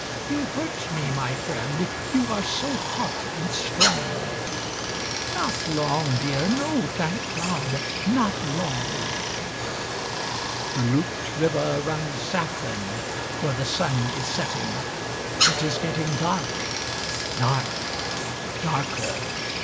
You hurt me, my friend, you are so hot and strong. Not long, Dear, no, thank God, not long." The looped river runs saffron, for the sun is setting. It is getting dark. Dark. Darker.